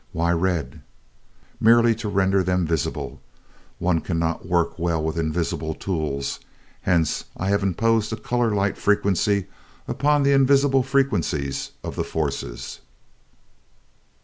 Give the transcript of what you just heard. "Why red?" "Merely to render them visible. One cannot work well with invisible tools, hence I have imposed a colored light frequency upon the invisible frequencies of the forces.